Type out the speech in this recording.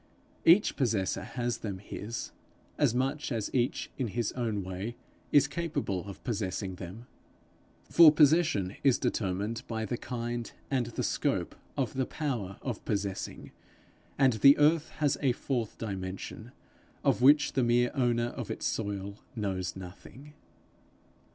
Each possessor has them his, as much as each in his own way is capable of possessing them. For possession is determined by the kind and the scope of the power of possessing; and the earth has a fourth dimension of which the mere owner of its soil knows nothing.